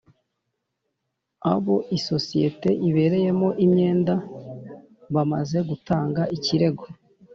Abo isosiyete ibereyemo imyenda bamaze gutanga ikirego